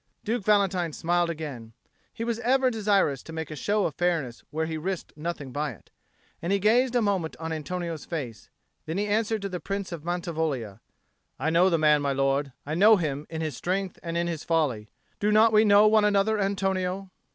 Duke Valentine smiled again; he was ever desirous to make a show of fairness where he risked nothing by it; and he gazed a moment on Antonio's face; then he answered to the Prince of Mantivoglia, "I know the man, my lord. I know him in his strength and in his folly. Do not we know one another, Antonio?"